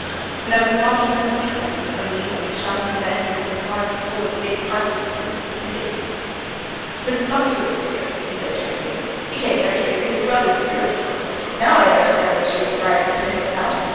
When I was walking on the sea front in the early evening Shamohin met me with his arms full of big parcels of fruits and dainties. "Prince Maktuev is here!" he said joyfully. "He came yesterday with her brother, the spiritualist! Now I understand what she was writing to him about!